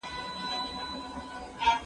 زه اوږده وخت انځورونه رسم کوم!؟